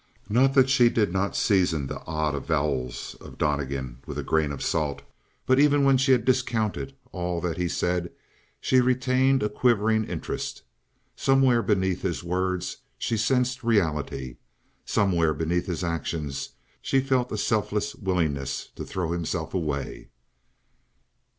Not that she did not season the odd avowals of Donnegan with a grain of salt, but even when she had discounted all that he said, she retained a quivering interest. Somewhere beneath his words she sensed reality. Somewhere beneath his actions she felt a selfless willingness to throw himself away.